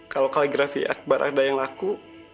kalau kaligrafi akbar ada yang laku